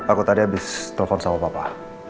aku tadi habis telfon sama papa